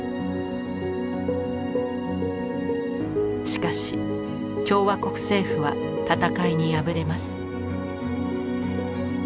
しかし共和国政府は戦いに敗れます。